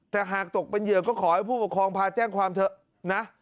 แต่หากตกเป็นเหยื่อก็ขอให้ผู้ปกครองพาแจ้งความเถอะนะ